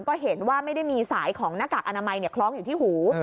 ก็เห็นว่าไม่ได้มีสายของหน้ากากอนามัยคล้องอยู่ที่หู